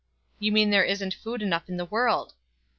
"You mean there isn't food enough in the world."